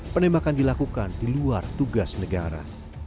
penembakan dilakukan di luar tugas negara